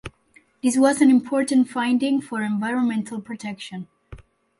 This was an important finding for environmental protection.